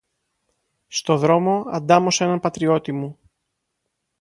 Στο δρόμο, αντάμωσα έναν πατριώτη μου